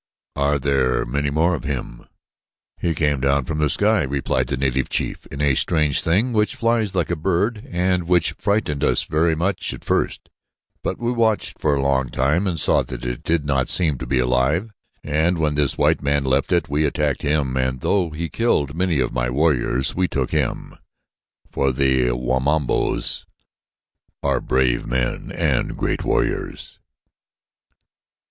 "Are there many more with him?" "He came down from the sky," replied the native chief, "in a strange thing which flies like a bird and which frightened us very much at first; but we watched for a long time and saw that it did not seem to be alive, and when this white man left it we attacked him and though he killed some of my warriors, we took him, for we Wamabos are brave men and great warriors."